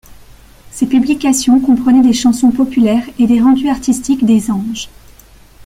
Ces publications comprenaient des chansons populaires et des rendus artistiques des anges.